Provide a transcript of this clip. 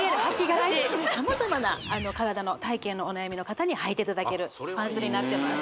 がち様々な体の体形のお悩みの方にはいていただけるパンツになってます